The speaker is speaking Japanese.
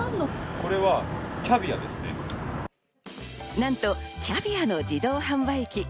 なんとキャビアの自動販売機。